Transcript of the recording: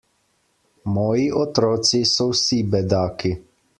Moji otroci so vsi bedaki.